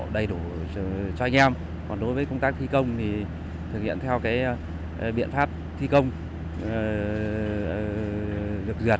đầy đủ cho anh em còn đối với công tác thi công thì thực hiện theo biện pháp thi công được duyệt